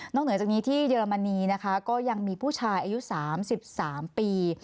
เหนือจากนี้ที่เยอรมนีนะคะก็ยังมีผู้ชายอายุ๓๓ปี